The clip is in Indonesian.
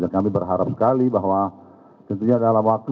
dan kami berharap sekali bahwa tentunya dalam waktu